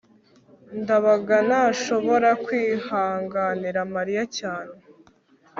ndabaga ntashobora kwihanganira mariya cyane